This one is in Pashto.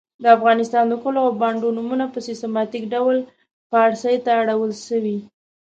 د افغانستان د کلو او بانډو نومونه په سیستماتیک ډول پاړسي ته اړول سوي .